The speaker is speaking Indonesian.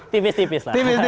komedi atau pintar